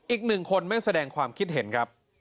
อีก๑คนแม่งแสดงความคิดเห็นครับ